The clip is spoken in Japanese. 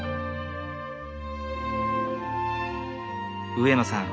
上野さん